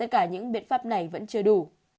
cả những biện pháp này vẫn chưa đủ